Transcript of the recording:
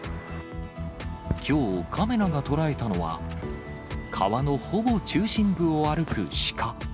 きょう、カメラが捉えたのは、川のほぼ中心部を歩く鹿。